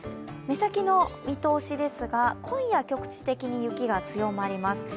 目先の見通しですが、今夜局地的に雪が強まります。